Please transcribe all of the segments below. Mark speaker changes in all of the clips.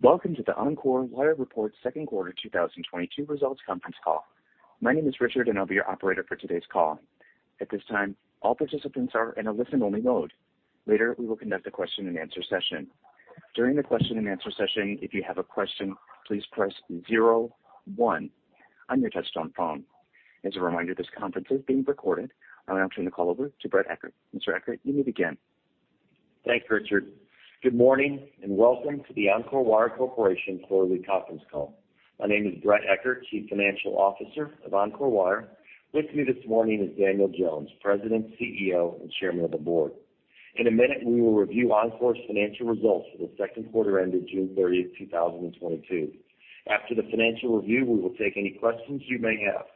Speaker 1: Welcome to the Encore Wire Reports Second Quarter 2022 Results Conference Call. My name is Richard, and I'll be your operator for today's call. At this time, all participants are in a listen-only mode. Later, we will conduct a question-and-answer session. During the question-and-answer session, if you have a question, please press zero one on your touchtone phone. As a reminder, this conference is being recorded. I'll now turn the call over to Bret Eckert. Mr. Eckert, you may begin.
Speaker 2: Thanks, Richard. Good morning, and welcome to the Encore Wire Corporation quarterly conference call. My name is Bret Eckert, Chief Financial Officer of Encore Wire. With me this morning is Daniel L. Jones, President, CEO, and Chairman of the Board. In a minute, we will review Encore's financial results for the second quarter ended June 30, 2022. After the financial review, we will take any questions you may have.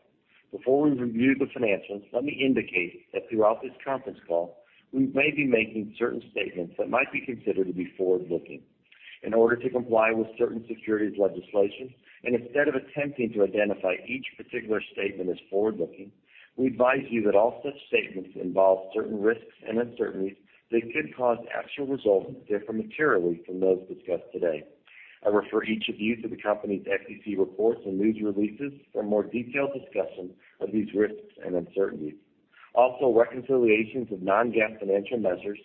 Speaker 2: Before we review the financials, let me indicate that throughout this conference call, we may be making certain statements that might be considered to be forward-looking. In order to comply with certain securities legislation, and instead of attempting to identify each particular statement as forward-looking, we advise you that all such statements involve certain risks and uncertainties that could cause actual results to differ materially from those discussed today. I refer each of you to the company's SEC reports and news releases for a more detailed discussion of these risks and uncertainties. Also, reconciliations of non-GAAP financial measures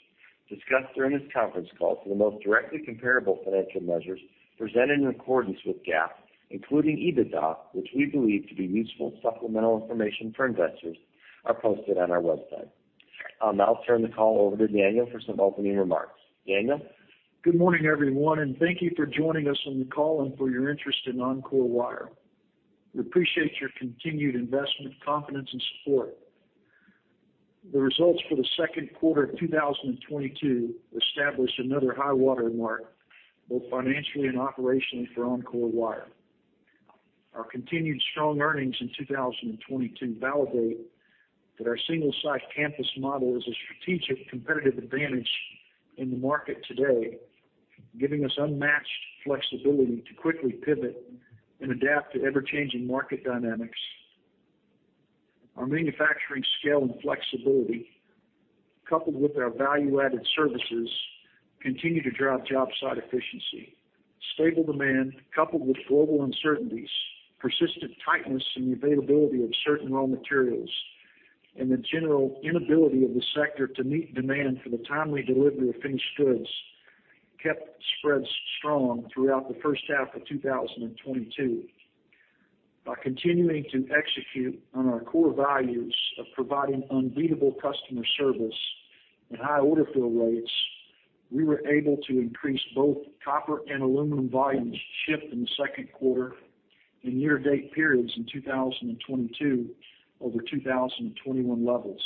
Speaker 2: discussed during this conference call to the most directly comparable financial measures presented in accordance with GAAP, including EBITDA, which we believe to be useful supplemental information for investors, are posted on our website. I'll now turn the call over to Daniel for some opening remarks. Daniel.
Speaker 3: Good morning, everyone, and thank you for joining us on the call and for your interest in Encore Wire. We appreciate your continued investment, confidence, and support. The results for the second quarter of 2022 establish another high water mark, both financially and operationally for Encore Wire. Our continued strong earnings in 2022 validate that our single-site campus model is a strategic competitive advantage in the market today, giving us unmatched flexibility to quickly pivot and adapt to ever-changing market dynamics. Our manufacturing scale and flexibility, coupled with our value-added services, continue to drive job site efficiency. Stable demand coupled with global uncertainties, persistent tightness in the availability of certain raw materials, and the general inability of the sector to meet demand for the timely delivery of finished goods kept spreads strong throughout the first half of 2022. By continuing to execute on our core values of providing unbeatable customer service and high order fill rates, we were able to increase both copper and aluminum volumes shipped in the second quarter and year-to-date periods in 2022 over 2021 levels.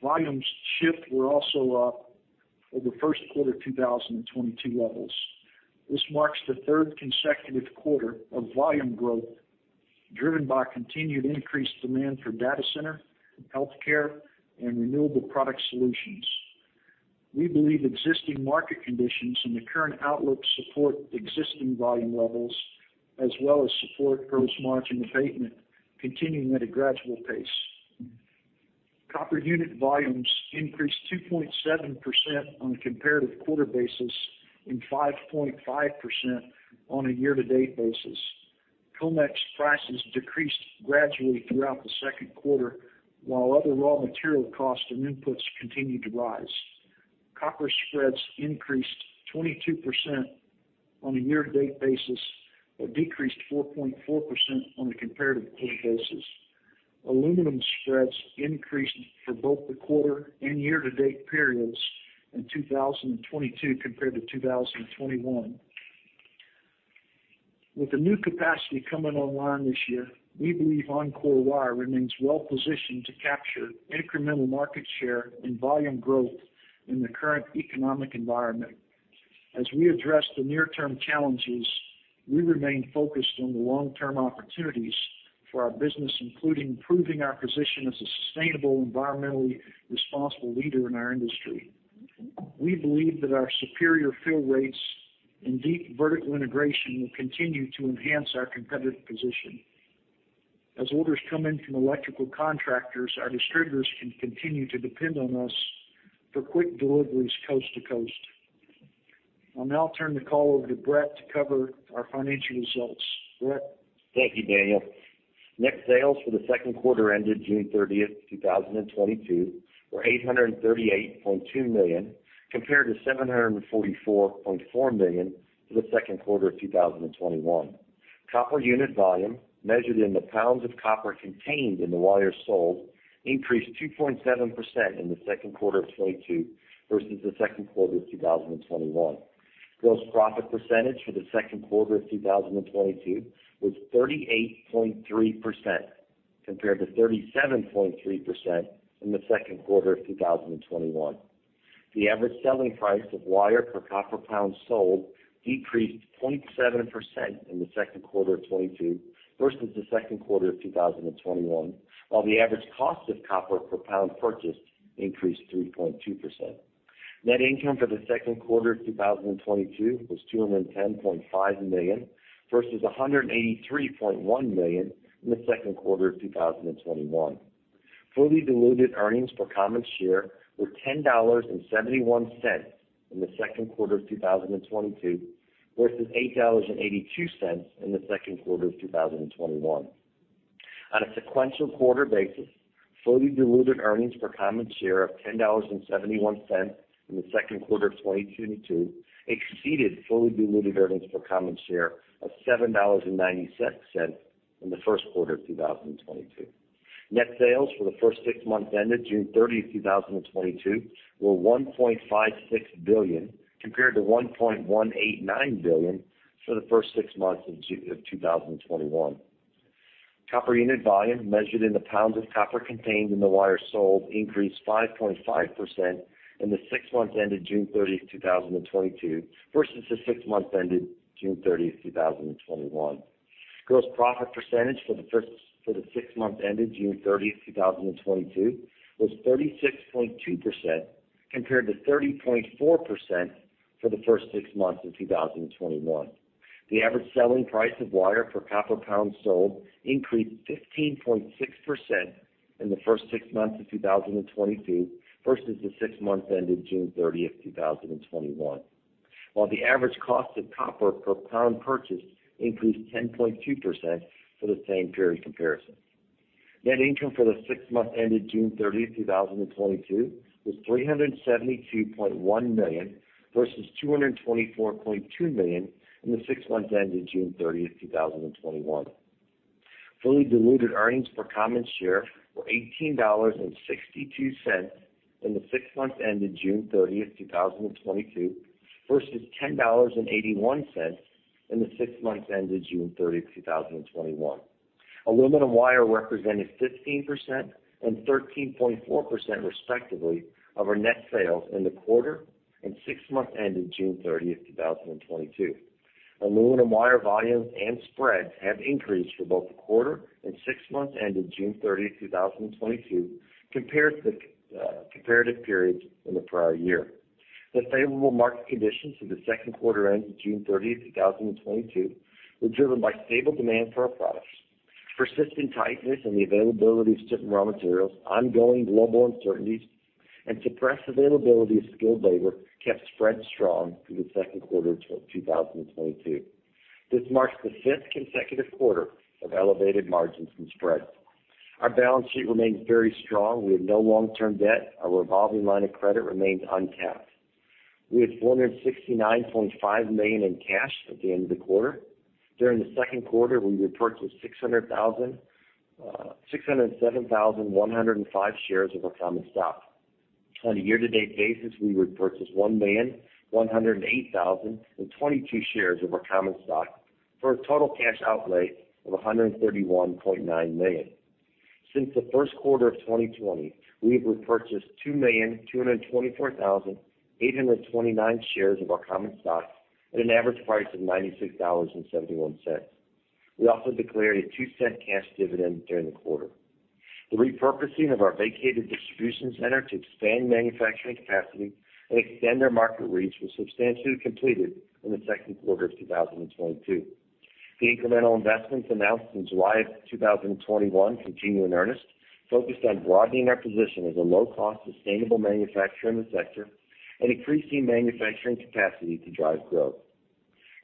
Speaker 3: Volumes shipped were also up over first quarter 2022 levels. This marks the third consecutive quarter of volume growth, driven by continued increased demand for data center, healthcare, and renewable product solutions. We believe existing market conditions and the current outlook support existing volume levels as well as support gross margin abatement continuing at a gradual pace. Copper unit volumes increased 2.7% on a comparative quarter basis and 5.5% on a year-to-date basis. COMEX prices decreased gradually throughout the second quarter, while other raw material costs and inputs continued to rise. Copper spreads increased 22% on a year-to-date basis, but decreased 4.4% on a comparative quarter basis. Aluminum spreads increased for both the quarter and year-to-date periods in 2022 compared to 2021. With the new capacity coming online this year, we believe Encore Wire remains well positioned to capture incremental market share and volume growth in the current economic environment. As we address the near-term challenges, we remain focused on the long-term opportunities for our business, including improving our position as a sustainable, environmentally responsible leader in our industry. We believe that our superior fill rates and deep vertical integration will continue to enhance our competitive position. As orders come in from electrical contractors, our distributors can continue to depend on us for quick deliveries coast to coast. I'll now turn the call over to Bret to cover our financial results. Bret?
Speaker 2: Thank you, Daniel. Net sales for the second quarter ended June 30, 2022 were $838.2 million, compared to $744.4 million for the second quarter of 2021. Copper unit volume, measured in the pounds of copper contained in the wire sold, increased 2.7% in the second quarter of 2022 versus the second quarter of 2021. Gross profit percentage for the second quarter of 2022 was 38.3%, compared to 37.3% in the second quarter of 2021. The average selling price of wire per copper pound sold decreased 0.7% in the second quarter of 2022 versus the second quarter of 2021, while the average cost of copper per pound purchased increased 3.2%. Net income for the second quarter of 2022 was $210.5 million versus $183.1 million in the second quarter of 2021. Fully diluted earnings per common share were $10.71 in the second quarter of 2022, versus $8.82 in the second quarter of 2021. On a sequential quarter basis, fully diluted earnings per common share of $10.71 in the second quarter of 2022 exceeded fully diluted earnings per common share of $7.90 in the first quarter of 2022. Net sales for the first six months ended June 30, 2022, were $1.56 billion, compared to $1.189 billion for the first six months of 2021. Copper unit volume measured in pounds of copper contained in the wire sold increased 5.5% in the six months ended June 30, 2022, versus the six months ended June 30, 2021. Gross profit percentage for the six months ended June 30, 2022, was 36.2% compared to 30.4% for the first six months of 2021. The average selling price of wire per copper pound sold increased 15.6% in the first six months of 2022 versus the six months ended June 30, 2021. While the average cost of copper per pound purchased increased 10.2% for the same period comparison. Net income for the six months ended June 30, 2022, was $372.1 million versus $224.2 million in the six months ended June 30, 2021. Fully diluted earnings per common share were $18.62 in the six months ended June 30, 2022, versus $10.81 in the six months ended June 30, 2021. Aluminum wire represented 15% and 13.4%, respectively, of our net sales in the quarter and six months ended June 30, 2022. Aluminum wire volumes and spreads have increased for both the quarter and six months ended June 30, 2022, compared to comparative periods in the prior year. The favorable market conditions for the second quarter ended June 30, 2022, were driven by stable demand for our products. Persistent tightness in the availability of certain raw materials, ongoing global uncertainties, and suppressed availability of skilled labor kept spreads strong through the second quarter of 2022. This marks the fifth consecutive quarter of elevated margins and spreads. Our balance sheet remains very strong. We have no long-term debt. Our revolving line of credit remains untapped. We had $469.5 million in cash at the end of the quarter. During the second quarter, we repurchased 607,105 shares of our common stock. On a year-to-date basis, we repurchased 1,108,022 shares of our common stock for a total cash outlay of $131.9 million. Since the first quarter of 2020, we have repurchased 2,224,829 shares of our common stock at an average price of $96.71. We also declared a $0.02 cash dividend during the quarter. The repurposing of our vacated distribution center to expand manufacturing capacity and extend our market reach was substantially completed in the second quarter of 2022. The incremental investments announced in July of 2021 continue in earnest, focused on broadening our position as a low-cost, sustainable manufacturer in the sector and increasing manufacturing capacity to drive growth.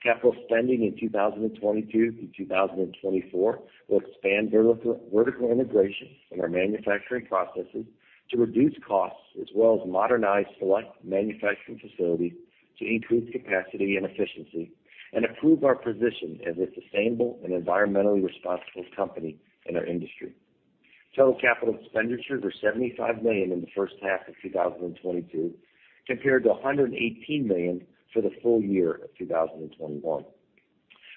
Speaker 2: Capital spending in 2022 through 2024 will expand vertical integration in our manufacturing processes to reduce costs, as well as modernize select manufacturing facilities to increase capacity and efficiency and improve our position as a sustainable and environmentally responsible company in our industry. Total capital expenditures were $75 million in the first half of 2022, compared to $118 million for the full year of 2021.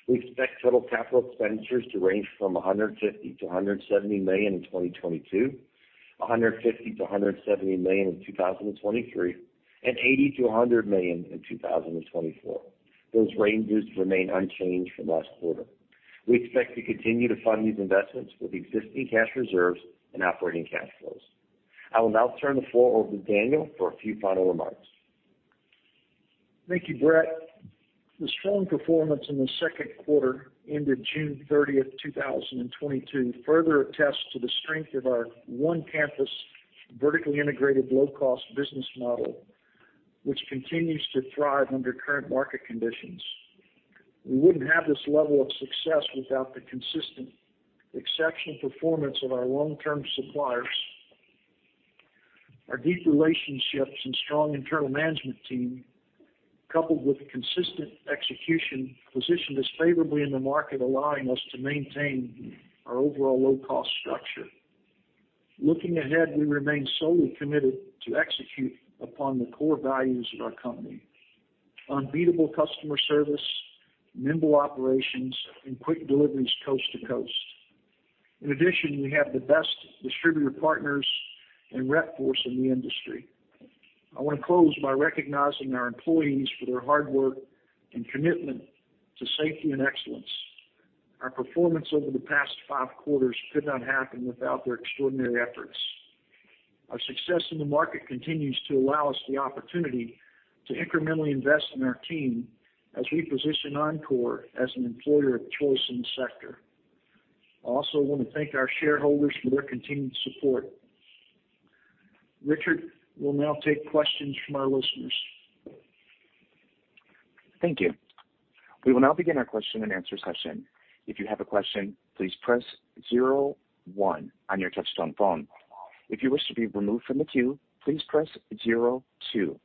Speaker 2: We expect total capital expenditures to range from $150 million-$170 million in 2022, $150 million-$170 million in 2023, and $80 million-$100 million in 2024. Those ranges remain unchanged from last quarter. We expect to continue to fund these investments with existing cash reserves and operating cash flows. I will now turn the floor over to Daniel for a few final remarks.
Speaker 3: Thank you, Bret. The strong performance in the second quarter ended June 30, 2022, further attests to the strength of our one-campus, vertically integrated, low-cost business model, which continues to thrive under current market conditions. We wouldn't have this level of success without the consistent exceptional performance of our long-term suppliers. Our deep relationships and strong internal management team, coupled with consistent execution, positioned us favorably in the market, allowing us to maintain our overall low-cost structure. Looking ahead, we remain solely committed to execute upon the core values of our company: unbeatable customer service, nimble operations, and quick deliveries coast to coast. In addition, we have the best distributor partners and rep force in the industry. I want to close by recognizing our employees for their hard work and commitment to safety and excellence. Our performance over the past five quarters could not happen without their extraordinary efforts. Our success in the market continues to allow us the opportunity to incrementally invest in our team as we position Encore as an employer of choice in the sector. I also wanna thank our shareholders for their continued support. Richard, we'll now take questions from our listeners.
Speaker 1: Thank you. We will now begin our question-and-answer session. If you have a question, please press zero one on your touchtone phone. If you wish to be removed from the queue, please press zero two.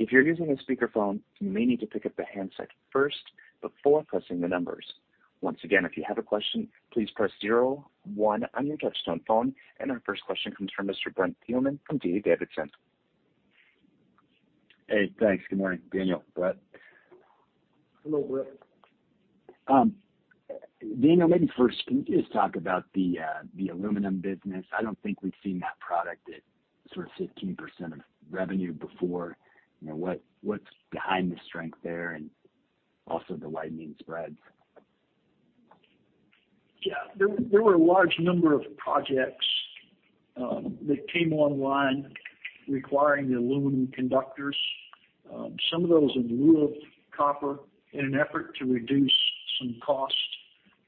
Speaker 1: If you're using a speakerphone, you may need to pick up the handset first before pressing the numbers. Once again, if you have a question, please press zero one on your touchtone phone. Our first question comes from Mr. Brent Thielman from D.A. Davidson.
Speaker 4: Hey, thanks. Good morning, Daniel. Brent.
Speaker 3: Hello, Brent.
Speaker 4: Daniel, maybe first can you just talk about the aluminum business? I don't think we've seen that product at sort of 15% of revenue before. You know, what's behind the strength there and also the widening spreads?
Speaker 3: Yeah. There were a large number of projects that came online requiring the aluminum conductors, some of those in lieu of copper in an effort to reduce some cost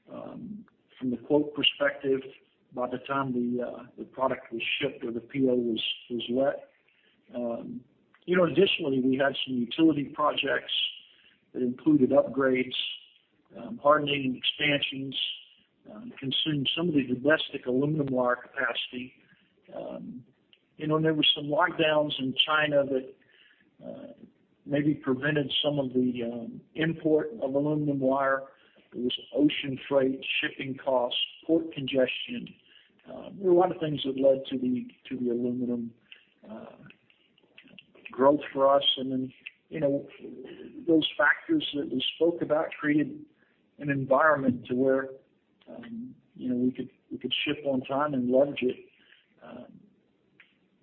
Speaker 3: from the quote perspective by the time the product was shipped or the PO was let. You know, additionally, we had some utility projects that included upgrades, hardening expansions, consumed some of the domestic aluminum wire capacity. You know, and there were some lockdowns in China that maybe prevented some of the import of aluminum wire. There was ocean freight, shipping costs, port congestion, you know, a lot of things that led to the aluminum growth for us. You know, those factors that we spoke about created an environment to where, you know, we could ship on time and leverage it,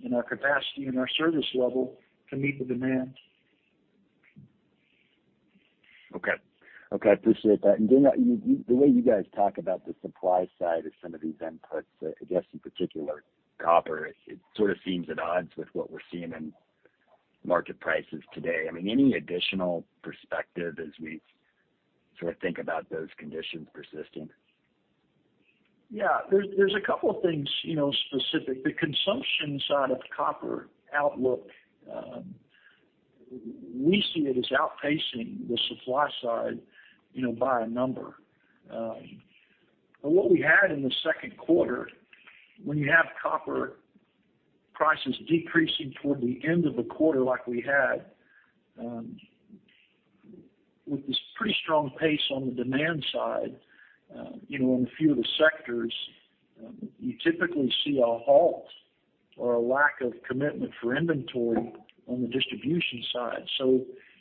Speaker 3: in our capacity and our service level to meet the demand.
Speaker 4: Okay. Appreciate that. Daniel Jones, the way you guys talk about the supply side of some of these inputs, I guess in particular copper, it sort of seems at odds with what we're seeing in market prices today. I mean, any additional perspective as we sort of think about those conditions persisting?
Speaker 3: Yeah. There's a couple of things, you know, specific. The consumption side of the copper outlook, we see it as outpacing the supply side, you know, by a number. What we had in the second quarter, when you have copper prices decreasing toward the end of the quarter like we had, with this pretty strong pace on the demand side, you know, in a few of the sectors, you typically see a halt or a lack of commitment for inventory on the distribution side.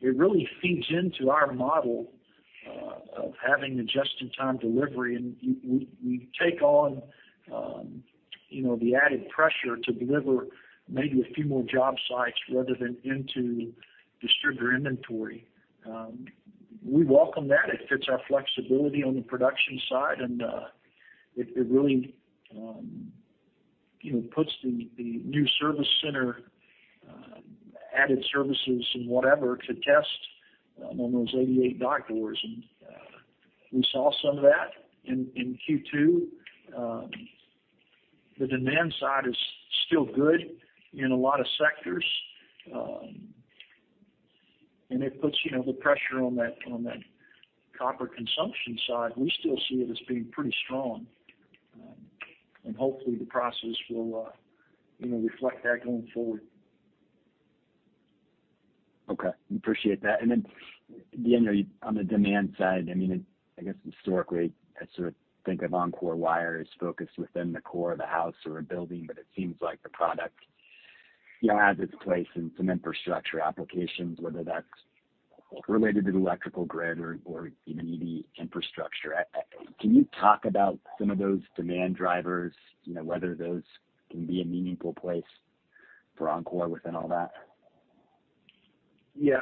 Speaker 3: It really feeds into our model of having the just-in-time delivery. We take on, you know, the added pressure to deliver maybe a few more job sites rather than into distributor inventory. We welcome that. It fits our flexibility on the production side, and it really, you know, puts the new service center, added services and whatever to test, on those 88 dock doors. We saw some of that in Q2. The demand side is still good in a lot of sectors, and it puts, you know, the pressure on that copper consumption side. We still see it as being pretty strong. Hopefully, the prices will, you know, reflect that going forward.
Speaker 4: Okay. Appreciate that. On the demand side, I mean, I guess historically, I sort of think of Encore Wire as focused within the core of the house or a building, but it seems like the product, you know, has its place in some infrastructure applications, whether that's related to the electrical grid or EV infrastructure. Can you talk about some of those demand drivers, you know, whether those can be a meaningful place for Encore within all that?
Speaker 3: Yeah.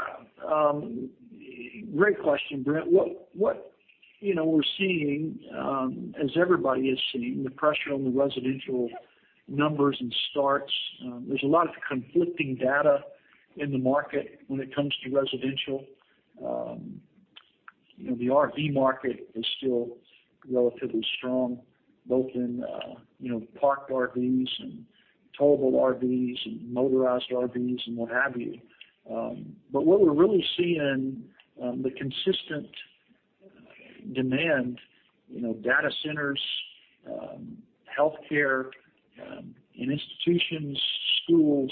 Speaker 3: Great question, Brent. What you know, we're seeing, as everybody is seeing, the pressure on the residential numbers and starts, there's a lot of conflicting data in the market when it comes to residential. You know, the RV market is still relatively strong, both in, you know, parked RVs and towable RVs and motorized RVs and what have you. But what we're really seeing, the consistent demand, you know, data centers, healthcare, in institutions, schools,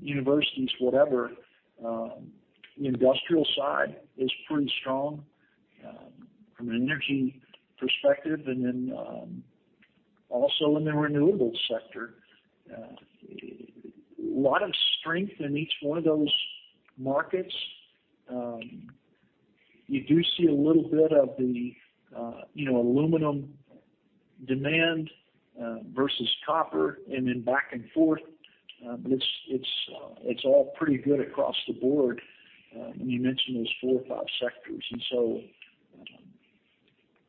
Speaker 3: universities, whatever, the industrial side is pretty strong, from an energy perspective and then, also in the renewables sector. A lot of strength in each one of those markets. You do see a little bit of the, you know, aluminum demand, versus copper, and then back and forth. It's all pretty good across the board when you mention those four or five sectors.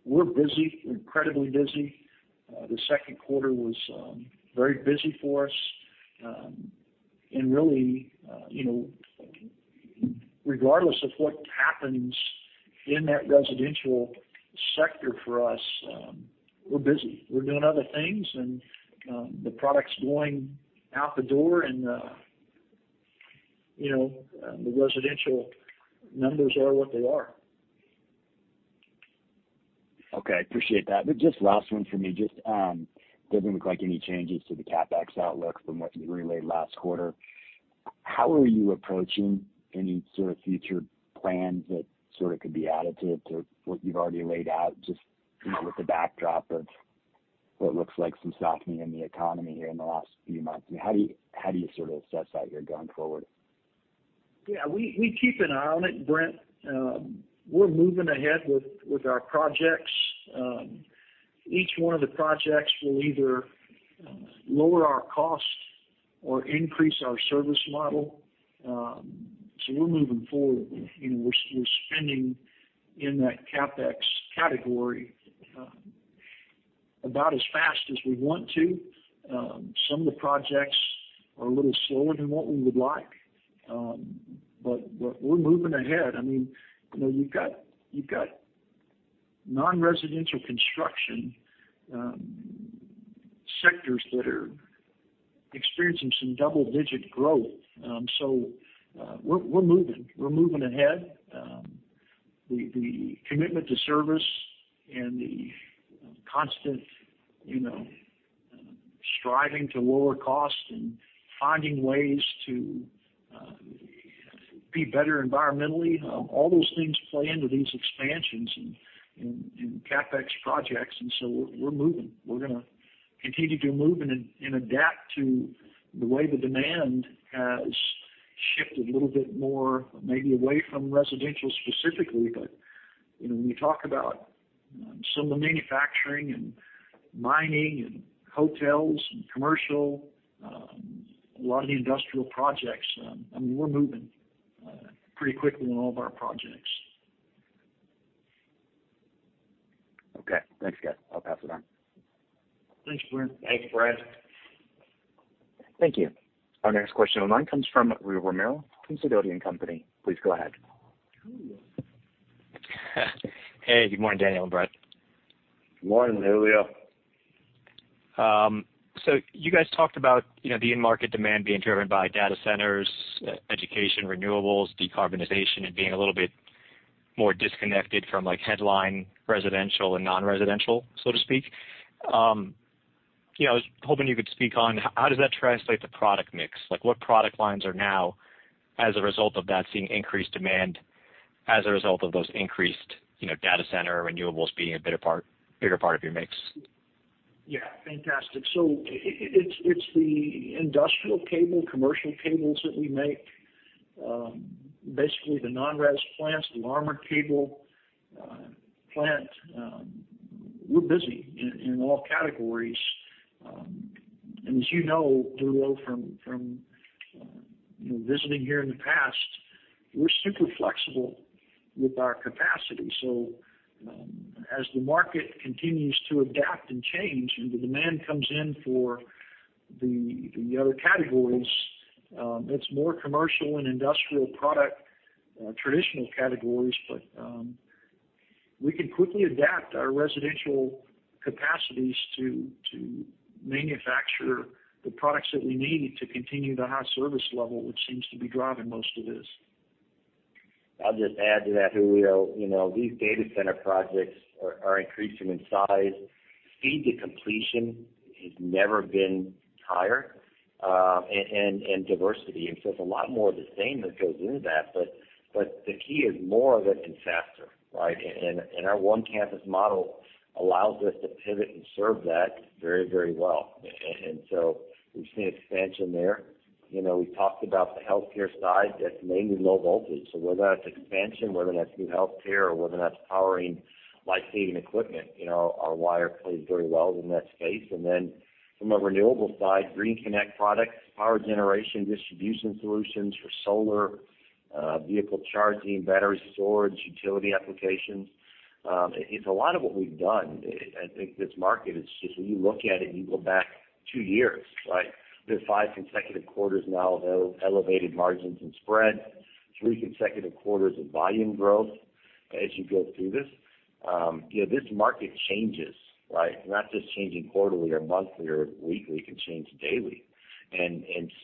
Speaker 3: We're busy, incredibly busy. The second quarter was very busy for us. Really, you know, regardless of what happens in that residential sector for us, we're busy. We're doing other things, and the product's going out the door, and you know, the residential numbers are what they are.
Speaker 4: Okay. Appreciate that. Just last one for me, just doesn't look like any changes to the CapEx outlook from what you relayed last quarter. How are you approaching any sort of future plans that sort of could be added to what you've already laid out, just with the backdrop of what looks like some softening in the economy here in the last few months? I mean, how do you sort of assess that here going forward?
Speaker 3: Yeah. We keep an eye on it, Brent. We're moving ahead with our projects. Each one of the projects will either lower our cost or increase our service model. We're moving forward. You know, we're spending in that CapEx category, about as fast as we want to. Some of the projects are a little slower than what we would like. We're moving ahead. I mean, you know, you've got non-residential construction sectors that are experiencing some double-digit growth. We're moving ahead. The commitment to service and the constant, you know, striving to lower cost and finding ways to be better environmentally, all those things play into these expansions and CapEx projects, and we're moving. We're gonna continue to move and adapt to the way the demand has shifted a little bit more, maybe away from residential specifically. You know, when you talk about some of the manufacturing and mining and hotels and commercial, a lot of the industrial projects, I mean, we're moving pretty quickly on all of our projects.
Speaker 4: Okay. Thanks, guys. I'll pass it on.
Speaker 3: Thanks, Brent.
Speaker 2: Thanks, Brent.
Speaker 1: Thank you. Our next question online comes from Julio Romero from Sidoti & Company. Please go ahead.
Speaker 5: Hey, good morning, Daniel and Bret.
Speaker 2: Good morning, Julio.
Speaker 5: You guys talked about, you know, the end market demand being driven by data centers, education, renewables, decarbonization, and being a little bit more disconnected from like headline residential and non-residential, so to speak. You know, I was hoping you could speak on how does that translate to product mix. Like, what product lines are now as a result of that seeing increased demand as a result of those increased, you know, data center renewables being a bigger part of your mix?
Speaker 3: Yeah. Fantastic. It's the industrial cable, commercial cables that we make. Basically the non-res plants, the Armored Cable plant, we're busy in all categories. As you know, Julio, from you know, visiting here in the past, we're super flexible with our capacity. As the market continues to adapt and change, and the demand comes in for the other categories, that's more commercial and industrial product, traditional categories. We can quickly adapt our residential capacities to manufacture the products that we need to continue the high service level, which seems to be driving most of this.
Speaker 2: I'll just add to that, Julio. You know, these data center projects are increasing in size. Speed to completion has never been higher, and diversity. It's a lot more of the same that goes into that. The key is more of it and faster, right? Our one campus model allows us to pivot and serve that very well. We've seen expansion there. You know, we talked about the healthcare side. That's mainly low voltage. Whether that's expansion, whether that's new healthcare, or whether that's powering life-saving equipment, you know, our wire plays very well in that space. Then from a renewable side, GreenConnect products, power generation distribution solutions for solar, vehicle charging, battery storage, utility applications. It's a lot of what we've done. I think this market is just, when you look at it, and you go back two years, right? There's five consecutive quarters now of elevated margins and spread, three consecutive quarters of volume growth as you go through this. You know, this market changes, right? Not just changing quarterly or monthly or weekly. It can change daily.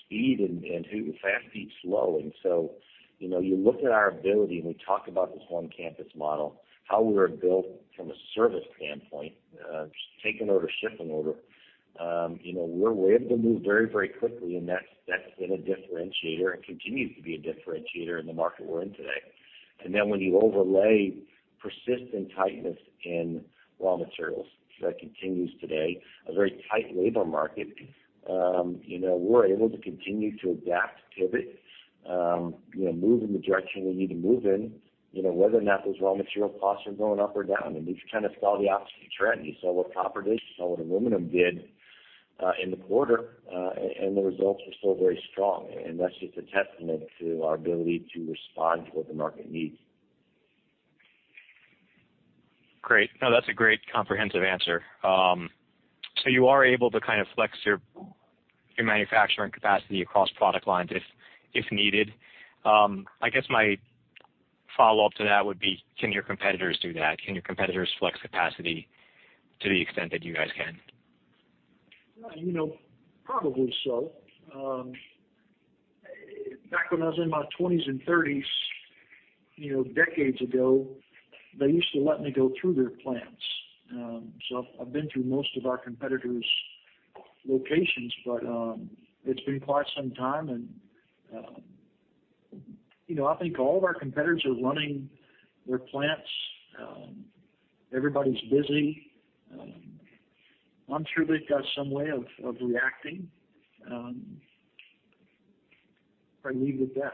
Speaker 2: Speed and fast beats slow. You know, you look at our ability, and we talk about this one campus model, how we're built from a service standpoint, take an order, ship an order. You know, we're able to move very, very quickly, and that's been a differentiator and continues to be a differentiator in the market we're in today. Then when you overlay persistent tightness in raw materials, because that continues today, a very tight labor market, you know, we're able to continue to adapt, pivot, you know, move in the direction we need to move in, you know, whether or not those raw material costs are going up or down. I mean, you kind of saw the opposite trend. You saw what copper did, you saw what aluminum did. In the quarter, the results are still very strong, and that's just a testament to our ability to respond to what the market needs.
Speaker 5: Great. No, that's a great comprehensive answer. You are able to kind of flex your manufacturing capacity across product lines if needed. I guess my follow-up to that would be can your competitors do that? Can your competitors flex capacity to the extent that you guys can?
Speaker 3: You know, probably so. Back when I was in my twenties and thirties, you know, decades ago, they used to let me go through their plants. I've been through most of our competitors' locations, but it's been quite some time and, you know, I think all of our competitors are running their plants. Everybody's busy. I'm sure they've got some way of reacting. I'll leave it at that.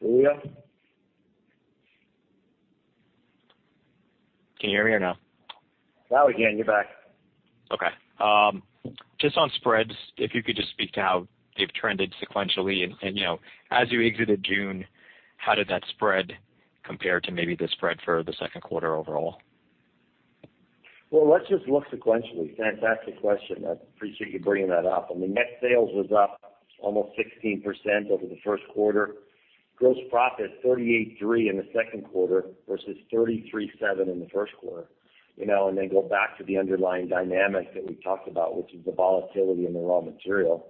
Speaker 3: Julio?
Speaker 5: Can you hear me or no?
Speaker 2: Now we can. You're back.
Speaker 5: Okay. Just on spreads, if you could just speak to how they've trended sequentially and, you know, as you exited June, how did that spread compare to maybe the spread for the second quarter overall?
Speaker 2: Well, let's just look sequentially. Fantastic question. I appreciate you bringing that up. I mean, net sales was up almost 16% over the first quarter. Gross profit, $38.3 in the second quarter versus $33.7 in the first quarter. You know, and then go back to the underlying dynamics that we talked about, which is the volatility in the raw material.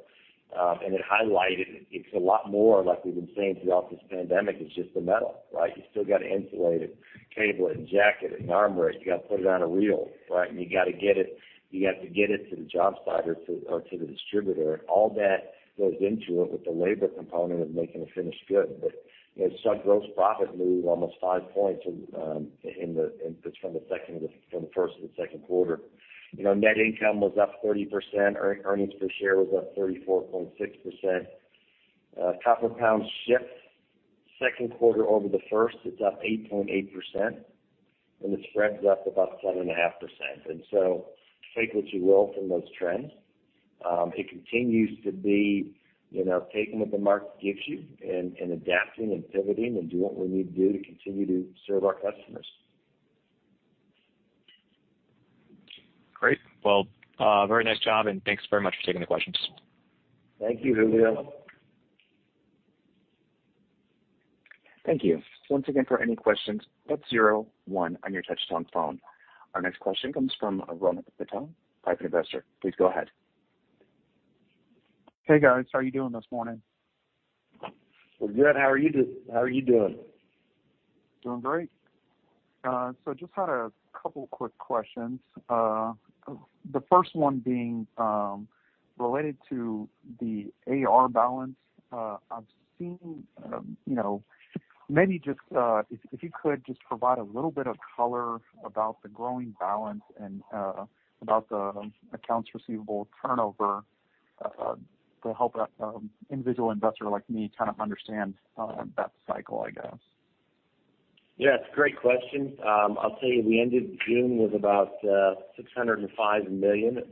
Speaker 2: It highlighted it's a lot more like we've been saying throughout this pandemic. It's just the metal, right? You still got to insulate it, cable it, and jacket it and armor it. You got to put it on a reel, right? You have to get it to the job site or to the distributor. All that goes into it with the labor component of making a finished good. You know, gross profit moved almost 5 points from the first to the second quarter. You know, net income was up 40%. Earnings per share was up 34.6%. Copper pounds shipped second quarter over the first, it's up 8.8%, and the spread's up about 7.5%. Take what you will from those trends. It continues to be, you know, taking what the market gives you and adapting and pivoting and do what we need to do to continue to serve our customers.
Speaker 5: Great. Well, very nice job, and thanks very much for taking the questions.
Speaker 2: Thank you, Julio.
Speaker 1: Thank you. Once again, for any questions, press zero one on your touchtone phone. Our next question comes from Ryan Patel, Private Investor. Please go ahead.
Speaker 6: Hey, guys. How are you doing this morning?
Speaker 2: We're good. How are you doing?
Speaker 6: Doing great. Just had a couple quick questions. The first one being related to the AR balance. I've seen you know, maybe just if you could just provide a little bit of color about the growing balance and about the accounts receivable turnover to help individual investor like me kind of understand that cycle, I guess.
Speaker 2: Yeah, it's a great question. I'll tell you, we ended June with about $605 million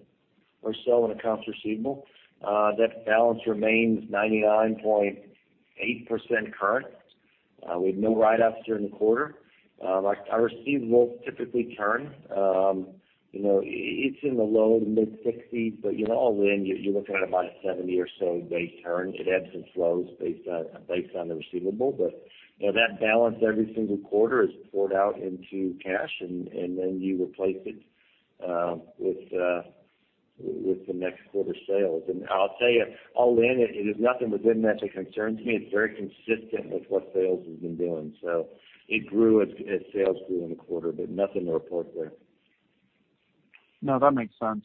Speaker 2: or so in accounts receivable. That balance remains 99.8% current. We had no write-offs during the quarter. Like our receivables typically turn, you know, it's in the low to mid-60s, but you know, all in, you're looking at about a 70 or so day turn. It ebbs and flows based on the receivable. You know, that balance every single quarter is poured out into cash and then you replace it with the next quarter sales. I'll tell you, all in, it is nothing within that to concern me. It's very consistent with what sales has been doing. It grew as sales grew in the quarter, but nothing to report there.
Speaker 6: No, that makes sense.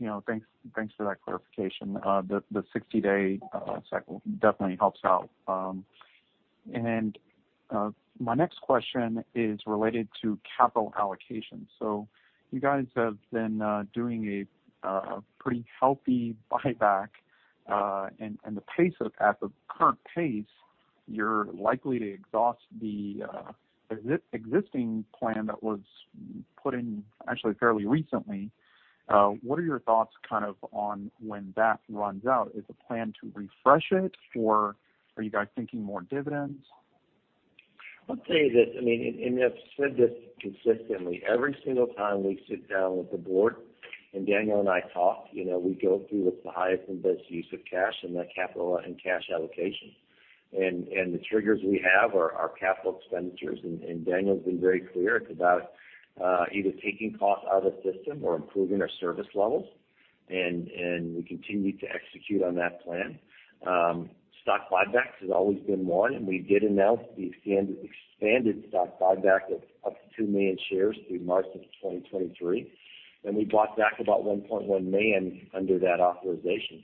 Speaker 6: You know, thanks for that clarification. The 60-day cycle definitely helps out. My next question is related to capital allocation. You guys have been doing a pretty healthy buyback, and at the current pace, you're likely to exhaust the existing plan that was put in actually fairly recently. What are your thoughts kind of on when that runs out? Is the plan to refresh it, or are you guys thinking more dividends?
Speaker 2: I'll tell you this, I mean, and I've said this consistently. Every single time we sit down with the board, and Daniel and I talk, you know, we go through what's the highest and best use of cash and that capital and cash allocation. The triggers we have are capital expenditures, and Daniel's been very clear, it's about either taking costs out of the system or improving our service levels, and we continue to execute on that plan. Stock buybacks has always been one, and we did announce the expanded stock buyback of up to 2 million shares through March of 2023. We bought back about 1.1 million under that authorization.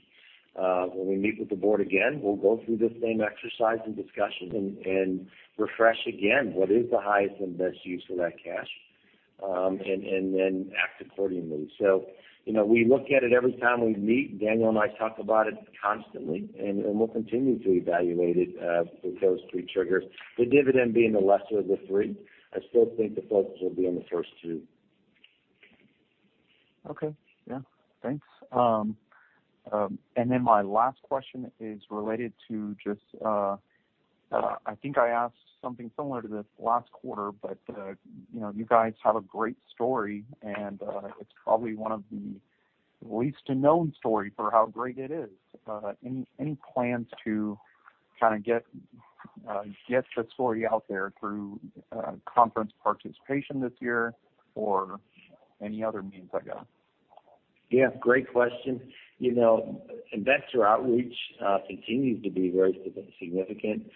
Speaker 2: When we meet with the board again, we'll go through the same exercise and discussion and refresh again what is the highest and best use for that cash, and then act accordingly. You know, we look at it every time we meet. Daniel and I talk about it constantly, and we'll continue to evaluate it with those three triggers. The dividend being the lesser of the three, I still think the focus will be on the first two.
Speaker 6: Okay. Yeah. Thanks. My last question is related to just, I think I asked something similar to this last quarter, but, you know, you guys have a great story, and, it's probably one of the least known story for how great it is. Any plans to kinda get the story out there through, conference participation this year or any other means I got?
Speaker 2: Yeah, great question. You know, investor outreach continues to be very significant.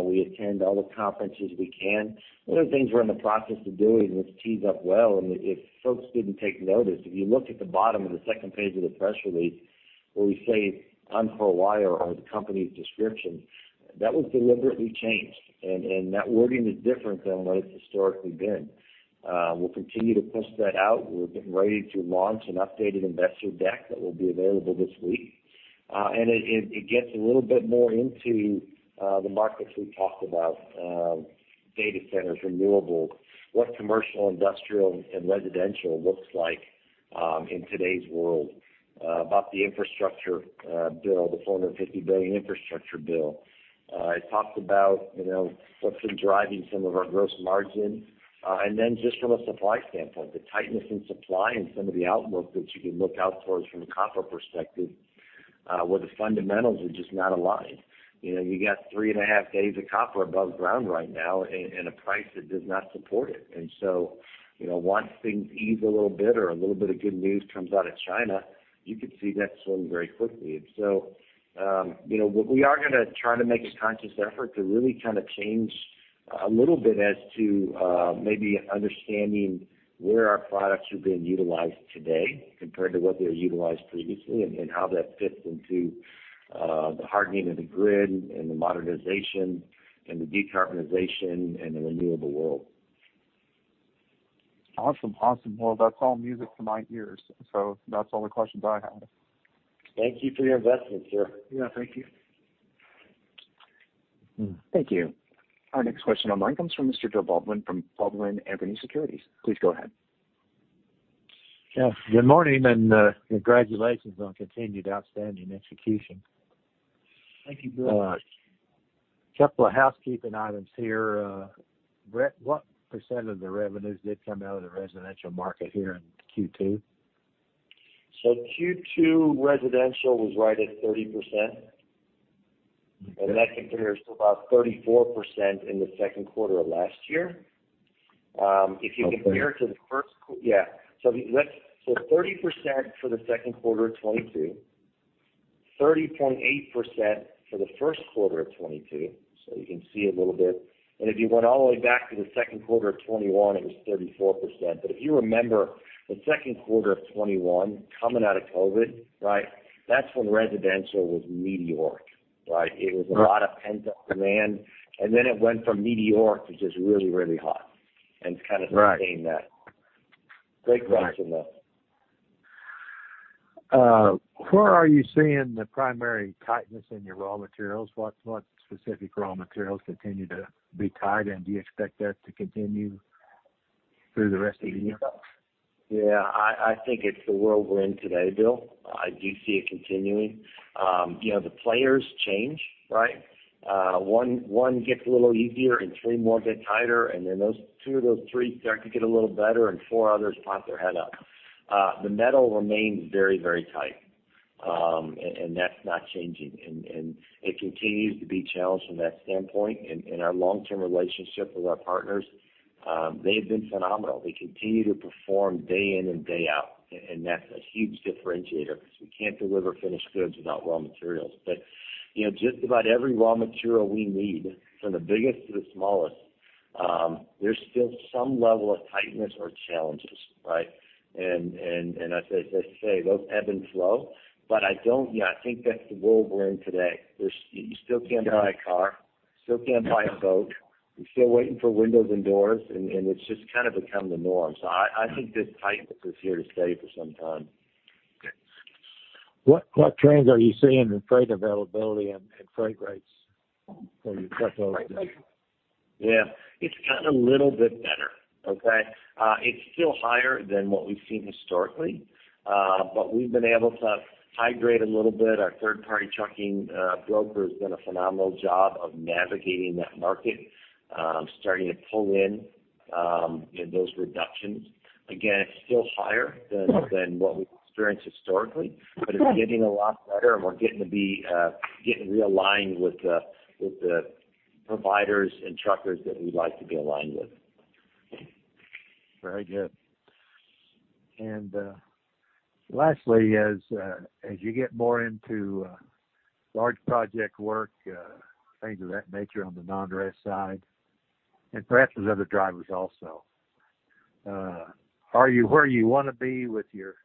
Speaker 2: We attend all the conferences we can. One of the things we're in the process of doing, which tees up well, and if folks didn't take notice, if you look at the bottom of the second page of the press release where we say, "Encore Wire" on the company's description, that was deliberately changed, and that wording is different than what it's historically been. We'll continue to push that out. We're getting ready to launch an updated investor deck that will be available this week. It gets a little bit more into the markets we talked about, data centers, renewables, what commercial, industrial, and residential looks like in today's world, about the infrastructure bill, the $450 billion infrastructure bill. It talks about, you know, what's been driving some of our gross margin. Just from a supply standpoint, the tightness in supply and some of the outlook that you can look out towards from a copper perspective, where the fundamentals are just not aligned. You know, you got 3.5 days of copper above ground right now and a price that does not support it. You know, once things ease a little bit or a little bit of good news comes out of China, you could see that swing very quickly. You know, what we are gonna try to make a conscious effort to really kind of change a little bit as to maybe understanding where our products are being utilized today compared to what they were utilized previously and how that fits into the hardening of the grid and the modernization and the decarbonization and the renewable world.
Speaker 6: Awesome. Awesome. Well, that's all music to my ears, so that's all the questions I have.
Speaker 2: Thank you for your investment, sir.
Speaker 6: Yeah, thank you.
Speaker 2: Mm.
Speaker 1: Thank you. Our next question online comes from Mr. Bill Baldwin from Baldwin Anthony Securities. Please go ahead.
Speaker 7: Yeah. Good morning and congratulations on continued outstanding execution.
Speaker 2: Thank you, Bill.
Speaker 7: Couple of housekeeping items here. What percent of the revenues did come out of the residential market here in Q2?
Speaker 2: Q2 residential was right at 30%.
Speaker 7: Okay.
Speaker 2: that compares to about 34% in the second quarter of last year. If you compare it-
Speaker 7: Okay.
Speaker 2: Yeah. So 30% for the second quarter of 2022, 30.8% for the first quarter of 2022, so you can see a little bit. If you went all the way back to the second quarter of 2021, it was 34%. If you remember the second quarter of 2021 coming out of COVID, right? That's when residential was meteoric, right?
Speaker 7: Right.
Speaker 2: It was a lot of pent-up demand, and then it went from meteoric to just really, really hot and kind of.
Speaker 7: Right.
Speaker 2: Great question, though.
Speaker 7: Right. Where are you seeing the primary tightness in your raw materials? What specific raw materials continue to be tight, and do you expect that to continue through the rest of the year?
Speaker 2: Yeah. I think it's the world we're in today, Bill. I do see it continuing. You know, the players change, right? One gets a little easier and three more get tighter, and then those two of those three start to get a little better and four others pop their head up. The metal remains very, very tight, and that's not changing. It continues to be challenged from that standpoint. Our long-term relationship with our partners, they've been phenomenal. They continue to perform day in and day out, and that's a huge differentiator because we can't deliver finished goods without raw materials. You know, just about every raw material we need, from the biggest to the smallest, there's still some level of tightness or challenges, right? As I say, those ebb and flow. You know, I think that's the world we're in today. You still can't buy a car, still can't buy a boat. We're still waiting for windows and doors, and it's just kind of become the norm. I think this tightness is here to stay for some time.
Speaker 7: Okay. What trends are you seeing in freight availability and freight rates for your truckloads?
Speaker 2: Yeah. It's gotten a little bit better, okay? It's still higher than what we've seen historically, but we've been able to mitigate a little bit. Our third-party trucking broker has done a phenomenal job of navigating that market, starting to pull in, you know, those reductions. Again, it's still higher than what we've experienced historically, but it's getting a lot better and we're getting realigned with the providers and truckers that we'd like to be aligned with.
Speaker 7: Very good. Lastly, as you get more into large project work, things of that nature on the non-res side, and perhaps with other drivers also, are you where you wanna be with your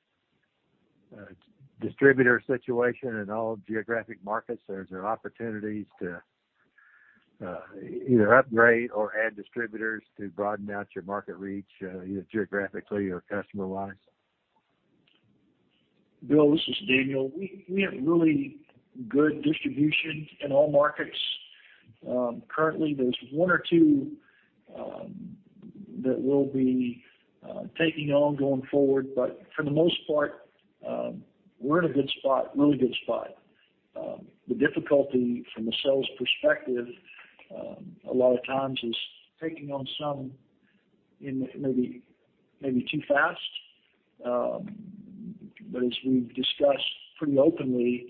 Speaker 7: distributor situation in all geographic markets, or is there opportunities to either upgrade or add distributors to broaden out your market reach, either geographically or customer-wise?
Speaker 3: Bill, this is Daniel. We have really good distribution in all markets. Currently, there's one or two that we'll be taking on going forward, but for the most part, we're in a good spot, really good spot. The difficulty from a sales perspective, a lot of times is taking on some in maybe too fast. As we've discussed pretty openly,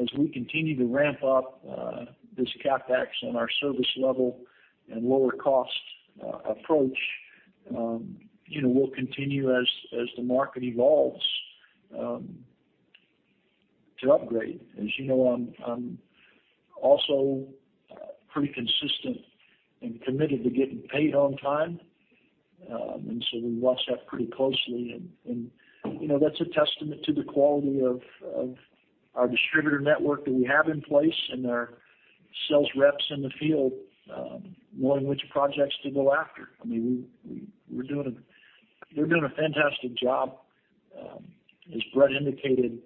Speaker 3: as we continue to ramp up this CapEx and our service level and lower cost approach, you know, we'll continue as the market evolves to upgrade. As you know, I'm also pretty consistent and committed to getting paid on time. We watch that pretty closely and you know, that's a testament to the quality of our distributor network that we have in place and our sales reps in the field, knowing which projects to go after. I mean, they're doing a fantastic job. As Bret indicated,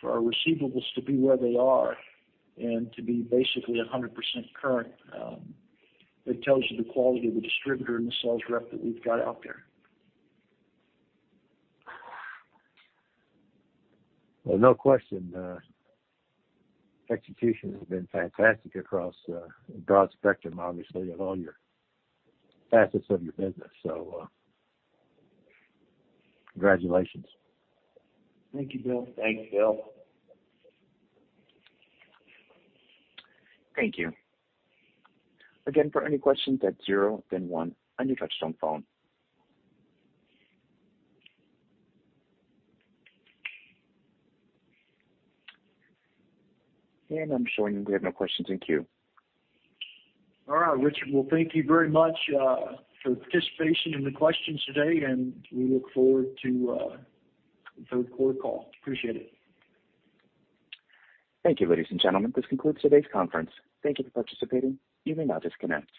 Speaker 3: for our receivables to be where they are and to be basically 100% current, it tells you the quality of the distributor and the sales rep that we've got out there.
Speaker 7: Well, no question. Execution has been fantastic across a broad spectrum, obviously of all your facets of your business. Congratulations.
Speaker 2: Thank you, Bill. Thanks, Bill.
Speaker 1: Thank you. Again, for any questions, that's zero, then one on your touchtone phone. I'm showing we have no questions in queue.
Speaker 3: All right, Richard. Well, thank you very much for participation in the questions today, and we look forward to the third quarter call. Appreciate it.
Speaker 1: Thank you, ladies and gentlemen. This concludes today's conference. Thank you for participating. You may now disconnect.